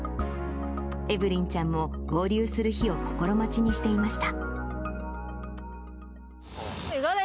エブリンちゃんも合流する日を心待ちにしていました。